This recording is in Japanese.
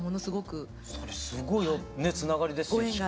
それすごいつながりですし。